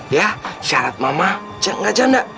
ya syarat mama nggak janda